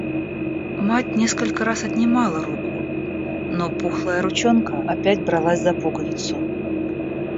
Мать несколько раз отнимала руку, но пухлая ручонка опять бралась за пуговицу.